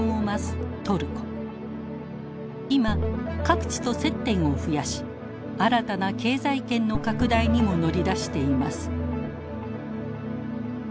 今各地と接点を増やし新たな経済圏の拡大にも乗り出しています。